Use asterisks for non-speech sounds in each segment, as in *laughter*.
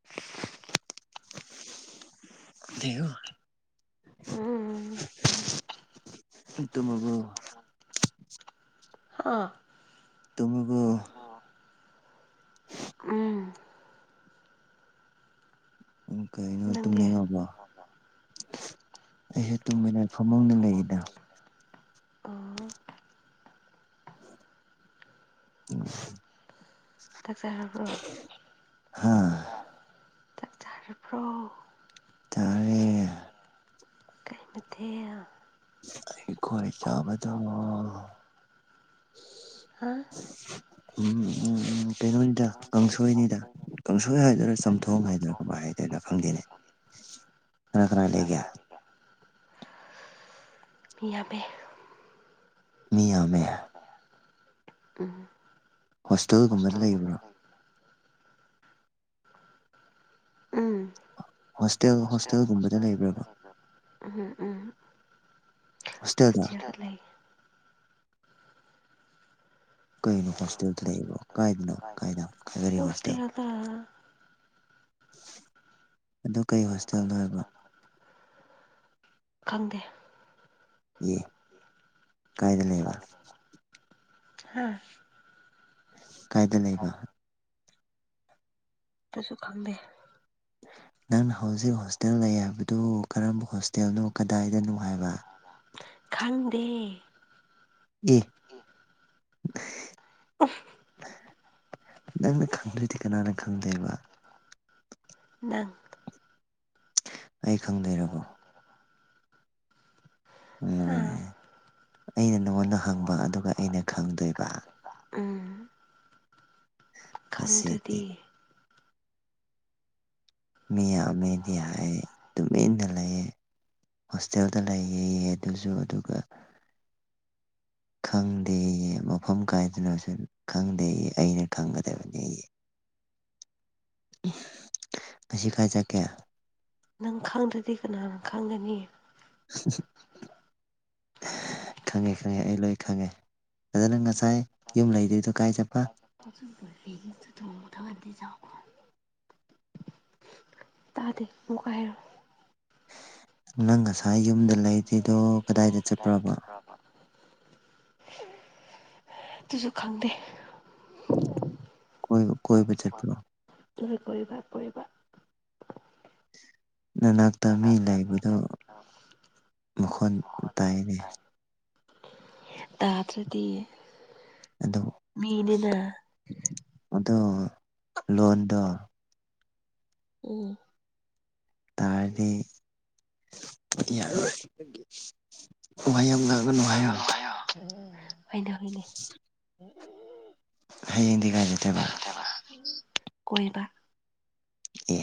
*inaudible* *inaudible* ꯎꯝ ꯇꯝꯃꯕꯣ꯫ ꯍꯥ? ꯇꯝꯃꯕꯣ? ꯎꯝ ꯀꯩꯅꯣ ꯅꯪꯗꯤ ꯇꯨꯝꯅꯤꯡꯉꯕꯣ? ꯑꯩꯁꯨ ꯇꯨꯡꯒꯦꯅ ꯐꯃꯨꯡꯗ ꯂꯩꯔꯤꯗ꯫ ꯑꯥ꯫ ꯆꯥꯛ ꯆꯥꯔꯕ꯭ꯔꯣ ꯍꯥ ꯆꯥꯛ ꯆꯥꯔꯕ꯭ꯔꯣ? ꯆꯥꯔꯦ ꯀꯩ ꯃꯊꯦꯜ? ꯍꯩꯈꯣꯏ꯫ ꯆꯥꯕꯗꯣ꯫ ꯍꯥꯥ? ꯀꯩꯅꯣꯅꯤꯗ ꯀꯥꯡꯁꯣꯏꯅꯤꯗ ꯀꯥꯡꯁꯣꯏ ꯍꯥꯏꯗꯣꯏꯔꯥ ꯆꯝꯊꯣꯡ ꯍꯥꯏꯗꯣꯏꯔꯥ ꯀꯃꯥꯏ ꯍꯥꯏ *unintelligible* ꯈꯪꯗꯦꯅꯦ ꯀꯅꯥ ꯀꯅꯥ ꯂꯩꯒꯦ ꯃꯤ ꯌꯝꯃꯦ ꯃꯤ ꯌꯥꯝꯃꯦ ꯎꯝ ꯍꯣꯁꯇꯦꯜꯒꯨꯝꯕꯗ ꯂꯩꯕ꯭ꯔꯣ ꯎꯝ ꯍꯣꯁꯇꯦꯜ ꯍꯣꯁꯇꯦꯜꯒꯨꯝꯕꯗ ꯂꯩꯕ꯭ꯔꯕ ꯎꯝ ꯎꯝ ꯍꯣꯁꯇꯦꯜꯗ ꯂꯩ ꯀꯩꯅꯣ ꯍꯣꯁꯇꯦꯜꯗ ꯂꯩꯕꯣ ꯀꯥꯏꯗꯅꯣ ꯀꯥꯏꯗꯅꯣ ꯀꯔꯤ ꯍꯣꯁꯇꯦꯜ ꯍꯣꯁꯇꯦꯜꯗ ꯑꯗꯨ ꯀꯩ ꯍꯣꯁꯇꯦꯜꯅꯣ ꯍꯥꯏꯕ ꯈꯪꯗꯦ ꯑꯦ ꯀꯥꯏꯗ ꯂꯩꯕ ꯍꯥ ꯀꯥꯏꯗ ꯂꯩꯕ ꯇꯁꯨ ꯈꯪꯗꯦ ꯅꯪꯅ ꯍꯧꯖꯤꯛ ꯍꯣꯁꯇꯦꯜ ꯂꯩ ꯍꯥꯏꯕꯗꯨ ꯀꯔꯝꯕ ꯍꯣꯁꯇꯦꯜꯅꯣ ꯀꯗꯥꯏꯗꯅꯣ ꯍꯥꯏꯕ ꯈꯪꯗꯦ ꯑꯦ ꯅꯪꯅ ꯈꯪꯗꯗꯤ ꯀꯅꯥꯅ ꯈꯪꯗꯣꯏꯕ ꯅꯪ ꯑꯩ ꯈꯪꯗꯣꯏꯔꯕꯣ ꯍꯥꯥ ꯂꯣꯏꯔꯦꯍꯦ ꯑꯩꯅ ꯅꯉꯣꯟꯗ ꯍꯪꯕ ꯑꯗꯨꯒ ꯑꯩꯅ ꯈꯪꯗꯣꯏꯕ ꯎꯝ *inaudible* ꯑꯁꯤꯗꯤ ꯈꯪꯗ꯭ꯔꯗꯤ ꯃꯤ ꯌꯥꯝꯃꯦꯗꯤ ꯍꯥꯏ ꯇꯨꯃꯤꯟꯅ ꯂꯩꯌꯦ ꯍꯣꯁꯇꯦꯜꯗ ꯂꯩꯌꯦꯌꯦ ꯑꯗꯨꯁꯨ ꯑꯗꯨꯒ ꯈꯪꯗꯦ ꯃꯐꯝ ꯀꯥꯏꯗꯅꯁꯨ ꯈꯪꯗꯦꯌꯦ ꯑꯩꯅ ꯈꯪꯒꯗꯕꯅꯦꯌꯦ ꯉꯁꯤ ꯀꯥꯏ ꯆꯠꯀꯦ ꯅꯪ ꯈꯪꯗ꯭ꯔꯗꯤ ꯀꯅꯥꯅꯥ ꯈꯪꯒꯅꯤ *unintelligible* ꯈꯪꯉꯦ ꯈꯪꯉꯦ ꯑꯩ ꯂꯣꯏ ꯈꯪꯉꯦ ꯑꯗꯨ ꯉꯁꯥꯏ ꯌꯨꯝ ꯂꯩꯔꯤꯗꯣ ꯀꯥꯏ ꯆꯠꯄ *unintelligible* *unintelligible* ꯇꯗꯦ ꯑꯃꯨꯀꯥ ꯍꯥꯏꯔꯣꯛ ꯅꯪ ꯉꯁꯥꯏ ꯌꯨꯝꯗ ꯂꯩꯇꯔꯤꯗꯣ ꯀꯗꯥꯏꯗ ꯆꯠꯄ꯭ꯔꯕ *unintelligible* ꯑꯗꯨꯁꯨ ꯈꯪꯗꯦ ꯀꯣꯏꯕ ꯀꯣꯏꯕꯨ ꯆꯠꯄꯔꯣ ꯆꯠꯂꯦ ꯀꯣꯏꯕ ꯀꯣꯏꯕ ꯅꯅꯥꯛꯇ ꯃꯤ ꯂꯩꯕꯗꯨ ꯃꯈꯣꯟ ꯇꯥꯏꯅꯦ ꯇꯗꯔꯗꯤ ꯃꯤꯅꯤꯅ ꯑꯗꯨ ꯂꯣꯟꯗꯣ ꯎꯝ ꯇꯥꯔꯗꯤ *unintelligible* ꯋꯥ ꯌꯥꯝ ꯉꯥꯡꯒꯅꯨ ꯍꯥꯏꯌ‌ꯣ *unintelligible* ꯍꯣꯏꯗ ꯍꯣꯏꯅꯦ ꯍꯌꯦꯡꯗꯤ ꯀꯥꯏ ꯆꯠꯇꯣꯏꯕ ꯀꯣꯏꯕ ꯑꯦ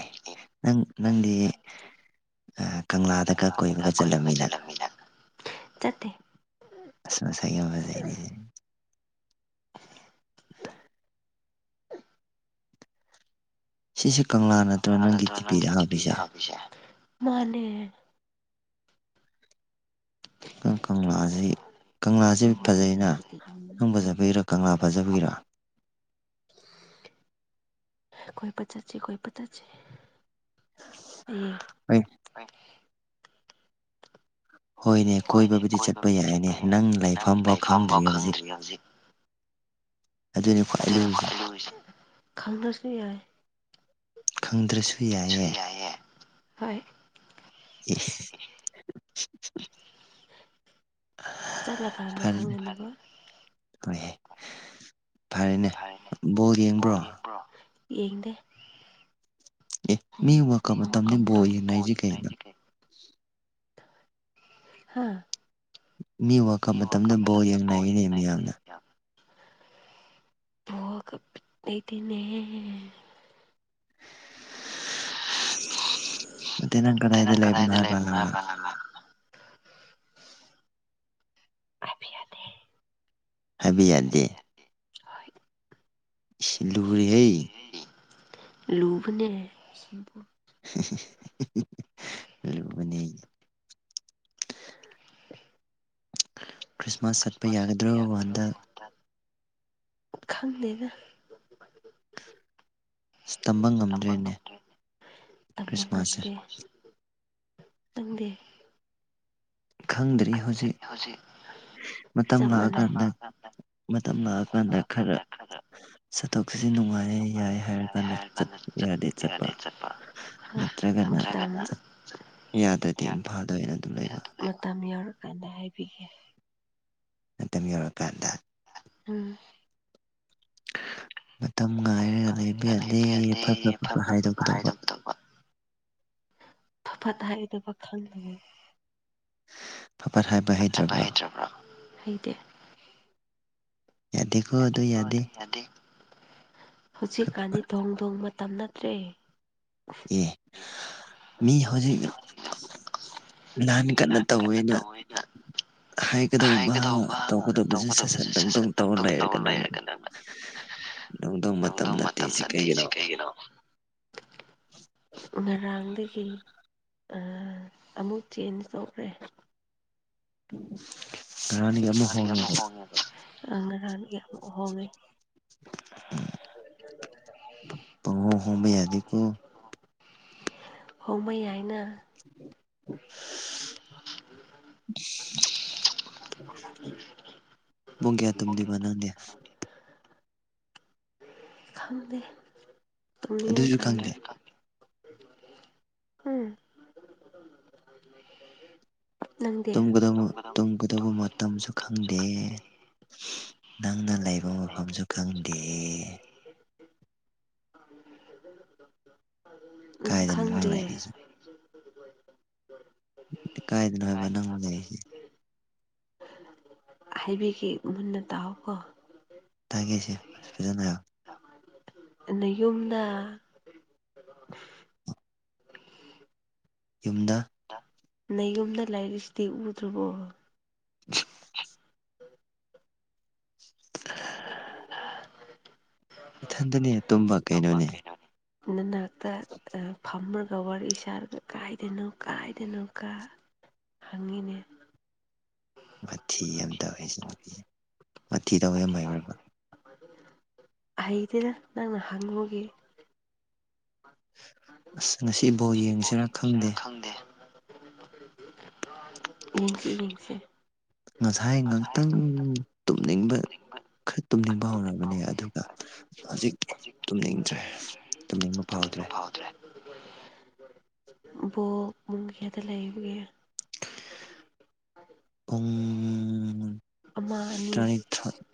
ꯅꯪ ꯅꯪꯗꯤ ꯀꯪꯂꯥꯗꯒ ꯀꯣꯏꯕꯒ ꯆꯠꯂꯝꯃꯤꯅ ꯆꯠꯇꯦ ꯑꯁ ꯃꯁꯛ ꯌꯥꯝꯅ ꯐꯖꯩꯅꯦ ꯁꯤꯁꯦ ꯀꯪꯂꯥ ꯅꯠ ꯅꯪꯒꯤ ꯗꯤꯄꯤꯗ ꯍꯥꯞꯄꯤꯖꯦ ꯃꯥꯅꯦ ꯀꯪꯂꯥꯁꯖꯤ ꯀꯪꯂꯥꯁꯖꯤ ꯐꯖꯩꯅ ꯅꯪ ꯐꯖꯕꯒꯤꯔꯥ ꯀꯪꯂꯥ ꯐꯖꯕꯒꯤꯔꯥ ꯀꯣꯏꯕ ꯆꯠꯁꯤ ꯀꯣꯏꯕ ꯆꯠꯁꯤ ꯍꯌꯦꯡ ꯑꯩ ꯑꯩ ꯍꯣꯏꯅꯦ ꯀꯣꯏꯕꯕꯨꯗꯤ ꯆꯠꯄ ꯌꯥꯏꯅꯦ ꯅꯪ ꯂꯥꯏꯐꯝꯐꯥꯎ ꯈꯪꯗ꯭ꯔꯤ ꯍꯧꯖꯤꯛ ꯑꯗꯨꯅꯤ ꯈ꯭ꯋꯥꯏ ꯑꯗꯨꯅꯦ ꯈꯋꯥꯏ ꯂꯨꯔꯤꯁꯦ ꯈꯪꯗꯔꯁꯨ ꯌꯥꯏ ꯈꯪꯗ꯭ꯔꯁꯨ ꯁꯨ ꯌꯥꯏꯌꯦ ꯍꯣꯏ ꯏꯁ ꯆꯠꯂ ꯀꯥꯟꯗ ꯐꯔꯦꯅꯦ ꯈꯪꯅꯅꯕ *unintelligible* ꯐꯔꯦꯅꯦ ꯐꯔꯦꯅꯦꯕ ꯕꯣꯜ ꯌꯦꯡꯕ꯭ꯔꯣ ꯑꯦ ꯌꯦꯡꯕꯔꯣ ꯌꯦꯡꯗꯦ ꯃꯤ ꯋꯥꯔꯜ ꯀꯞ ꯃꯇꯝꯗ ꯕꯣꯜ ꯌꯦꯡꯅꯔꯤꯁꯤ ꯀꯩꯅꯣ *unintelligible* ꯍꯥꯥ ꯃꯤ ꯋꯥꯜ ꯀꯨꯞ ꯃꯇꯝꯗ ꯕꯥꯎ ꯌꯦꯡꯅꯩꯅꯦ ꯃꯤꯌꯥꯝꯅ ꯕꯣꯜꯒ ꯕꯤꯠ ꯂꯩꯇꯦꯅꯍꯦ ꯇꯅ ꯀꯗꯥꯗ ꯂꯩꯕꯅ‌ꯣ ꯍꯥꯏꯕ ꯍꯥꯏꯕꯌꯥꯗꯦ ꯍꯥꯏꯕ ꯌꯥꯗꯦ ꯍꯣꯏ ꯏꯁ ꯂꯨꯔꯤꯍꯩ ꯂꯨꯕꯅꯦ ꯁꯤꯕꯨ *unintelligible* ꯂꯩꯔꯤꯕꯅꯤ ꯑꯩ ꯈ꯭ꯔꯤꯁꯃꯥꯁ ꯆꯠꯄ ꯌꯥꯒꯗ꯭ꯔꯣ ꯍꯟꯗꯛ ꯈꯪꯗ‌ꯦꯗ ꯇꯝꯕ ꯇꯝꯕꯥ ꯉꯝꯗ꯭ꯔꯦꯅꯦ ꯉꯝꯗ꯭ꯔ‌ꯦ ꯈ꯭ꯔꯤꯁꯃꯥꯁꯁꯦ ꯅꯪꯗꯤ ꯈꯪꯗ꯭ꯔꯤ ꯍꯧꯖꯤꯛ ꯃꯇꯝ ꯆꯞ ꯃꯥꯟꯅꯩ ꯂꯥꯛꯑꯀꯥꯟꯗ ꯃꯇꯝ ꯂꯥꯛꯑꯀꯥꯟꯗ ꯈꯔ ꯆꯠꯊꯣꯛ ꯆꯠꯁꯤ ꯅꯨꯡꯉꯥꯏ ꯌꯥꯏ ꯍꯥꯏꯔ ꯀꯥꯟꯗ ꯌꯥꯗꯦ ꯆꯠꯄ ꯅꯠꯇ꯭ꯔꯒꯅ ꯃꯇꯝ ꯌꯥꯗ꯭ꯔꯗꯤ ꯏꯝꯐꯥꯜꯗ ꯑꯣꯏꯅ ꯑꯗꯨꯝ ꯂꯩꯕ ꯃꯇꯝ ꯌꯎꯔꯀꯥꯟꯗ ꯍꯥꯏꯕꯤꯒꯦ ꯃꯇꯝ ꯌꯧꯔꯛꯀꯥꯟꯗ ꯎꯝ ꯃꯇꯝ ꯉꯥꯏꯔꯒ ꯂꯩꯕ ꯌꯥꯗꯦ ꯐꯠꯄ꯭ꯔ ꯐꯠꯄ ꯍꯥꯏꯗꯣꯛꯀꯗꯧꯕ ꯑꯐ ꯐꯠꯇ ꯍꯥꯏꯗꯕ ꯈꯪꯂꯦ ꯐꯠ ꯐꯠ ꯍꯥꯏꯕ ꯍꯩꯇ꯭ꯔꯕ꯭ꯔꯣ ꯍꯩꯇ꯭ꯔꯕ꯭ꯔꯥ ꯍꯩꯇꯦ ꯌꯥꯗꯦꯀꫭ ꯑꯗꯨ ꯌꯥꯗꯦ ꯍꯧꯖꯤꯛꯀꯥꯟꯗꯤ ꯗꫭꯡ ꯗꫭꯡ ꯃꯇꯝ ꯅꯠꯇ꯭ꯔꯦ‌ ꯑꯦ ꯃꯤ ꯍꯧꯖꯤꯛ ꯂꯥꯟ ꯀꯟꯅꯥ ꯇꯧꯋꯦꯅ ꯍꯥꯏꯒꯗꯧꯕ ꯇꯧꯒꯗꯧꯕꯁꯦ ꯁꯠ ꯁꯠ ꯗꯥꯡ ꯗꯥꯡ ꯇꯧꯔ ꯂꯩꯔꯦ ꯫ ꯀꯩꯅꯣꯅ ꯅꯣꯡꯊꯣꯡ ꯃꯇꯝ ꯅꯠꯇꯦ ꯁꯤ ꯀꯩꯒꯤꯅꯣ ꯅꫭ ꯉꯔꯥꯡꯗꯒꯤ ꯑ ꯑꯃꯨꯛ ꯆꯦꯟꯖ ꯇꯧꯈ꯭ꯔꯦ꯫ *inaudible* ꯑꯃꯨꯛ ꯅꯍꯥꯟꯒꯤ ꯑꯃ ꯍꯣꯡꯉꯦꯕ ꯍꫭꯡꯑꯦꯗꫭ ꯑ ꯉꯔꯥꯡ ꯏꯔꫭꯟ *inaudible* ꯄꯪꯍꯣꯡ ꯍꯣꯡꯕ ꯌꯥꯗꯦꯀꯣ *inaudible* ꯍꯣꯡꯃꯩ ꯌꯥꯏꯅ *inaudible* *inaudible* *inaudible* ꯄꯨꯡ ꯀꯌꯥ ꯇꯨꯝꯗꯣꯏꯕ ꯅꯪꯗꯤ *inaudible* ꯈꯪꯗꯦ ꯇꯧꯅꯤꯡꯉꯥ ꯑꯗꯨꯁꯨ ꯀꯥꯟꯗꯥ ꯈꯪꯗꯦ ꯎꯝ *inaudible* ꯅꯪꯗꯤ ꯇꯨꯝꯒꯗꯕ ꯇꯨꯝꯒꯗꯕ ꯃꯇꯝꯁꯨ ꯈꯪ ꯗꯦ ꯅꯪꯅ ꯂꯩꯕ ꯃꯐꯝꯁꯨ ꯈꯪꯗꯦ ꯅꯪ ꯀꯥꯏꯗꯅꯣ ꯈꯪꯗꯦ꯫ ꯂꯩꯔꯤꯁꯤ ꯀꯥꯏꯗꯅꯣ ꯍꯥꯏꯕ ꯅꯪꯅ ꯂꯩꯔꯤꯁꯦ ꯍꯥꯏꯕꯤꯒꯦ ꯃꯨꯟꯅ ꯇꯥꯎ ꯀꯣ ꯇꯥꯒꯦꯁꯦ ꯐꯖꯅꯥ ꯍꯥꯏꯑꫭ ꯑꯗꯥ ꯌꯨꯝꯗ ꯌꯨꯝꯗ ꯗ ꯅꯌꯨꯝꯗ ꯂꯩꯔꯤꯁꯤꯗꯤ ꯎꯗ꯭ꯔꯥꯕꯣ꯫ *inaudible* *inaudible* ꯏꯊꯟꯗꯅꯦ ꯇꯨꯝꯃꯥꯛꯀꯦ ꯅꯪꯒꯤ ꯅꯅꯥꯛꯇ ꯑ ꯐꯝꯔ ꯋꯥꯔꯤ ꯏꯁꯥꯔꯒ ꯀꯥꯏꯗꯅꯣ ꯀꯥꯏꯗꯅꯣ ꯀꯥ ꯍꯪꯉꯤꯅꯦ꯫ ꯋꯥꯊꯤ ꯌꯥꯝ ꯇꯧꯋꯦ ꯁꯤ ꯅꯨꯄꯤꯁꯦ ꯋꯥꯊꯤ ꯇꯧꯕ ꯌꯥꯝ ꯍꯩꯕ꯭ꯔꯥꯕ ꯍꯩꯇꯦꯗ ꯅꯪꯅ ꯍꯪꯉꯨꯒꯤ ꯑꯁ ꯉꯁꯤ ꯕꯣꯜ ꯌꯦꯡꯁꯤꯔ ꯁꯤꯔ ꯈꯪꯗꯦ ꯌꯦꯡꯁꯤ ꯌꯦꯡꯁꯤ ꯉꯁꯥꯏ ꯉꯥꯛꯇꯪ ꯇꯨꯝꯅꯤꯡꯕ ꯈꯔ ꯇꯨꯝꯅꯤꯡꯕ ꯍꯧꯔꯕꯅꯦ ꯑꯗꯨꯒ ꯍꯧꯖꯤꯛ ꯇꯨꯝꯅꯤꯡꯗ꯭ꯔꯦ ꯇꯨꯝꯅꯤꯡꯕ ꯇꯨꯝꯅꯤꯡꯕ ꯐꯥꯎꯗ꯭ꯔꯦ ꯕꯣꯜ ꯄꯨꯡ ꯀꯌꯥꯗ ꯂꯩꯕꯒꯦ꯫ ꯎꯝ ꯑꯃ ꯑꯅꯤ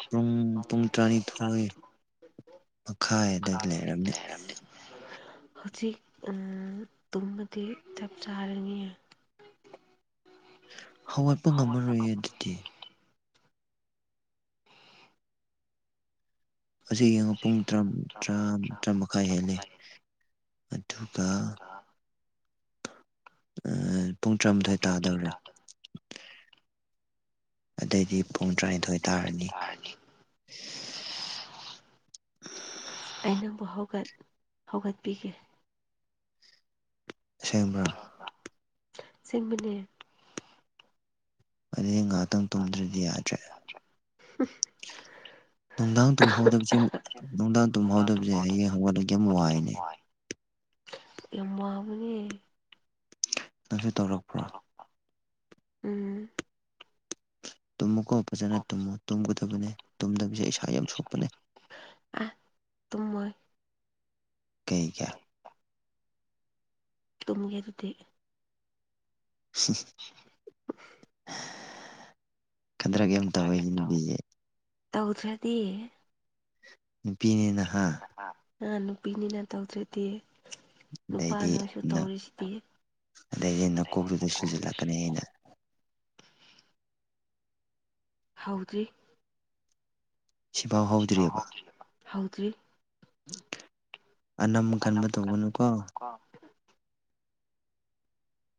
ꯄꯨꯡ ꯄꯨꯡ ꯇꯔꯥꯅꯤꯊꯣꯏ ꯃꯈꯥꯏ ꯈꯥꯏ ꯂꯩꯔꯝꯅꯤ꯫ ꯍꯧꯖꯤꯛ ꯎ ꯇꯨꯝꯃꯗꯤ ꯆꯞ ꯆꯥꯔꯅꯤꯌꯦ ꯍꯧꯒꯠꯄ ꯉꯝꯃꯔꯣꯏꯌꯦ ꯑꯗꯨꯗꯤ ꯍꯧꯖꯤꯛ ꯌꯦꯡꯉꯣ ꯄꯨꯡ ꯇꯔꯝ ꯇꯔꯥ ꯇꯔꯥꯃꯥꯏ ꯍꯦꯜꯂꯦ ꯑꯗꯨꯒ ꯑꯥ ꯄꯨꯡ ꯇꯔꯥꯃꯊꯣꯏ ꯇꯥꯗꯧꯔꯦ ꯑꯗꯩꯗꯤ *unintelligible* ꯄꯨꯡ ꯇꯔꯥꯅꯤꯊꯣꯏ ꯇꯥꯏꯟꯊꯣꯏ ꯇꯥꯔꯅꯤ ꯑꯩ ꯅꯪꯕꯨ ꯍꯧꯒꯠ ꯍꯧꯒꯠꯄꯤꯒꯦ ꯑꯁꯦꯡꯕ꯭ꯔ ꯑꯁꯦꯡꯕꯅꯦ ꯑꯗꯤ ꯑꯩ ꯉꯥꯛꯇꯪ ꯇꯨꯝꯗ꯭ꯔꯗꯤ ꯌꯥꯗ꯭ꯔꯦ *inaudible* ꯅꯨꯡꯗꯥꯡ ꯇꯨꯝꯍꯧꯗꯕꯁꯦ ꯅꯨꯡꯗꯥꯡ ꯇꯨꯝꯍꯧꯗꯕꯁꯦ ꯑꯩ ꯍꯧꯒꯠꯂꯛꯒ ꯌꯥꯝ ꯋꯥꯏꯅꯦ ꯌꯥꯝ ꯋꯥꯕꯅꯦ ꯅꯪꯁꯨ ꯇꯧ ꯎꯝ ꯇꯨꯝꯃꯨꯀꯨꯝ ꯐꯖꯅ ꯇꯨꯝꯃꯨ ꯇꯨꯝꯒꯗꯕꯅꯦ ꯇꯨꯝꯗꯕꯤꯁꯦ ꯏꯁꯥ ꯌꯥꯝ ꯁꯣꯛꯄꯅꯦ ꯑꯥ ꯇꯨꯃꯣꯏ ꯀꯩꯒꯤ ꯇꯨꯡꯒꯦ ꯑꯗꯨꯗꯤ *inaudible* ꯌꯥꯝ ꯇꯧꯋꯦ ꯅꯨꯄꯤꯁꯦ ꯇꯧꯗ꯭ꯔꯗꯤ ꯅꯨꯄꯤꯅꯦꯅꯍ ꯑꯥ ꯅꯨꯄꯤꯅꯤꯅ ꯇꯧꯗ꯭ꯔꯗꯤ ꯅꯨꯄꯥ ꯑꯗꯩꯗꯤ ꯅꯣꯏꯁꯨ ꯅꯥ ꯇꯧꯔꯤꯁꯤꯗꯤ ꯑꯗꯩꯗꯤ ꯅꯀꯣꯛꯇꯨꯗ ꯁꯨꯖꯜꯂꯛꯀꯅꯤ ꯑꯩꯅ ꯍꯧꯗ꯭ꯔꯤ ꯁꯤꯐꯥꯎ ꯍꯧꯗ꯭ꯔꯤꯑꯕ *unintelligible* ꯍꯧꯗ꯭ꯔꯤ ꯑꯅꯝ ꯀꯟꯕ ꯇꯧꯒꯅꯨꯀꯣ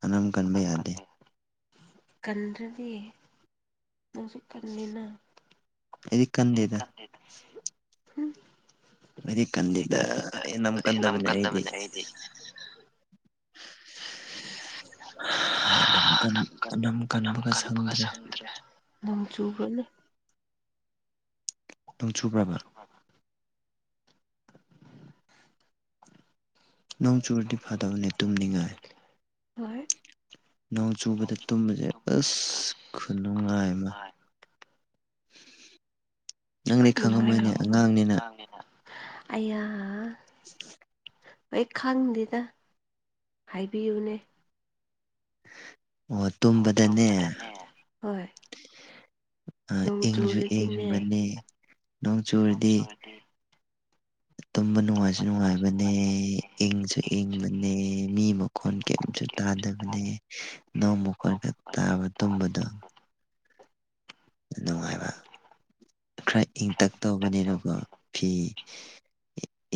ꯑꯅꯝ ꯀꯟꯕ ꯌꯥꯗꯦ ꯀꯟꯗ꯭ꯔꯗꯤ ꯀꯜꯂꯤꯅ ꯑꯩꯗꯤ ꯀꯟꯗꯦꯗ ꯎꯝ ꯑꯩꯗꯤ ꯀꯗꯤꯗ ꯑꯩ ꯑꯥꯅꯝ ꯀꯗꯕꯅꯦ ꯑꯩꯗꯤ ꯍꯥ ꯑꯅꯝ ꯀꯥꯟ ꯑꯥꯅꯝ ꯀꯟꯕꯒ ꯁꯪꯗ꯭ꯔꯦ ꯅꯣꯡ ꯆꯨꯕꯅꯤ ꯅꯣꯡ ꯆꯨꯕ꯭ꯔꯕ *inaudible* ꯅꯣꯡ ꯆꯨꯔꯗꯤ ꯐꯗꯕꯅꯦ ꯇꯨꯝꯅꯤꯡꯉꯥꯏ ꯍꯣꯏ ꯅꯣꯡ ꯆꯨꯕꯗ ꯇꯨꯝꯕꯁꯦ ꯑꯁ ꯈꯨꯅꯨꯡꯉꯥꯏ ꯑꯃ *inaudible* ꯅꯪꯗꯤ ꯈꯠꯅꯨꯡꯉ ꯈꯪꯉꯝꯃꯣꯏꯅꯦ ꯑꯉꯥꯡꯅꯤꯅ *unintelligible* ꯑꯌꯥ *inaudible* ꯑꯩ ꯈꯪꯗꯦꯗ ꯍꯥꯏꯕꯤꯌꯨꯅꯦ ꯑꯣ ꯇꯨꯝꯕꯗꯅꯦ ꯍꯣꯏ ꯅꯣꯡ ꯏꯪꯁꯨ ꯆꯨꯔꯤꯗꯨꯅꯦ ꯏꯪꯕꯅꯦ ꯅꯣꯡ ꯆꯨꯔꯗꯤ ꯅꯣꯡꯁꯨꯔꯗꯤ ꯇꯨꯝꯕ ꯅꯨꯡꯉꯥꯏꯁꯨ ꯅꯨꯡꯉꯥꯏꯕꯅꯦ ꯏꯪꯁꯨ ꯏꯪꯕꯅꯦ ꯃꯤ ꯃꯈꯣꯟ ꯀꯔꯤꯝꯁꯨ ꯇꯥꯗꯕꯅꯦ ꯅꯣꯡꯃꯨ ꯀꯣꯏꯒ ꯇꯥꯕ ꯇꯨꯝꯕꯗꯣ ꯅꯨꯡꯉꯥꯏꯕ ꯈꯔ ꯏꯪꯇꯛ ꯇꯧꯕꯅꯤꯅꯀꯣ ꯐꯤ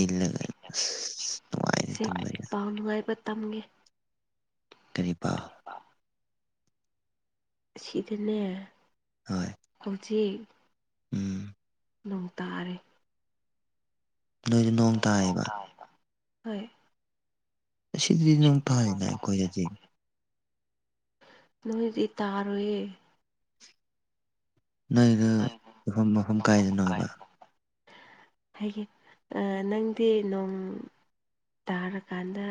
ꯏꯜꯂꯒ ꯑꯁ *unintelligible* ꯅꯨꯡꯉꯥꯏꯅ ꯁꯤ ꯇꯨꯝꯕ ꯌꯥꯏ꯫ ꯄꯥꯎ ꯅꯨꯡꯉꯥꯏꯕ ꯇꯝꯒꯦ꯫ ꯀꯔꯤ ꯄꯥꯎ *unintelligible* ꯁꯤꯗꯅꯦ꯫ ꯍꯣꯏ ꯍꯧꯖꯤꯛ ꯎꯝ ꯅꯣꯡ ꯇꯥꯔꯦ꯫ ꯅꯣꯏꯗ ꯅꯣꯡ ꯇꯥꯏꯌꯦꯕ꯫ ꯍꯣꯏ ꯑꯁꯤꯗꯗꯤ ꯅꯣꯡ ꯇꯥꯗꯦꯅ ꯑꯈꯣꯏꯗꯗꯤ꯫ ꯅꯣꯏꯗꯤ ꯇꯥꯔꯣꯏꯌꯦ꯫ ꯅꯣꯏꯗꯨ ꯃꯐꯝ ꯃꯐꯝ ꯀꯥꯏꯗꯅꯣ ꯍꯥꯏꯕꯥ ꯍꯥꯏꯒꯦ ꯅꯪꯗꯤ ꯅꯣꯡ ꯇꯥꯔꯀꯥꯟꯗ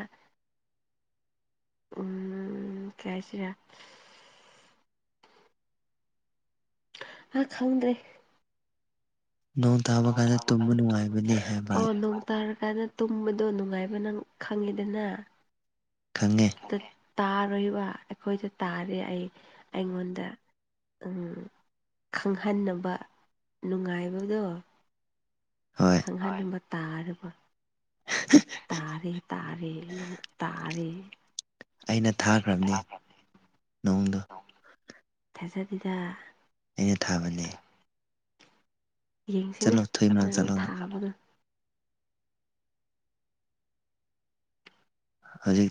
ꯎꯝ ꯀꯩ ꯍꯥꯏꯁꯤꯔ ꯍꯥ ꯈꯪꯗ꯭ꯔꯦ꯫ ꯅꯣꯡ ꯇꯥꯕ ꯀꯥꯟꯗ ꯇꯨꯝꯕ ꯅꯨꯡꯉꯥꯏꯕꯅꯦ *unintelligible* ꯍꯥꯏꯕ ꯑꯣ ꯅꯣꯡ ꯇꯥꯔꯀꯥꯟꯗ ꯇꯨꯝꯕꯗꯣ ꯅꯨꯡꯉꯥꯏꯕ ꯅꯪ ꯈꯪꯉꯤꯗꯅ꯫ ꯈꯪꯉꯦ ꯇꯥꯔꯣꯏꯕ ꯑꯈꯣꯏꯗ ꯇꯥꯔꯦ ꯑꯩ ꯑꯩꯉꯣꯟꯗ ꯎ ꯈꯪꯍꯟꯅꯕ ꯅꯨꯡꯉꯥꯏꯕꯗꯣ ꯍꯣꯏ *unintelligible* ꯈꯪꯍꯟꯅꯤꯡꯕ ꯇꯥꯔꯕ ꯇꯥꯔꯦ ꯇꯥꯔꯦ ꯅꯣꯡ ꯇꯥꯔꯦ꯫ ꯑꯩꯅ ꯊꯥꯒꯔꯕꯅꯦ ꯅꯣꯡꯗꯣ ꯅꯣꯡ ꯊꯥꯖꯗꯦꯗꯥ ꯑꯩꯅ ꯊꯥꯕꯅꯦ꯫ ꯌꯦꯡꯁꯤꯅꯦ ꯆꯠꯂꯣ ꯊꯨꯏ ꯆꯞ ꯃꯅꯥꯛ ꯃꯥꯟꯅꯅ ꯆꯠꯂꯣ ꯅꯪ ꯊꯥꯕꯒ ꯍꯧꯖꯤꯛ